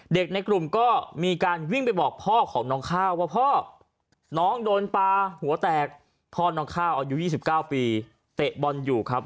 ในกลุ่มก็มีการวิ่งไปบอกพ่อของน้องข้าวว่าพ่อน้องโดนปลาหัวแตกพ่อน้องข้าวอายุ๒๙ปีเตะบอลอยู่ครับ